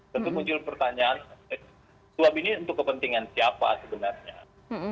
tentu muncul pertanyaan suap ini untuk kepentingan siapa sebenarnya